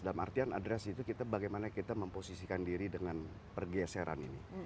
dan artian address itu bagaimana kita memposisikan diri dengan pergeseran ini